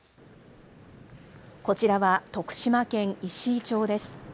こちらは徳島県石井町です。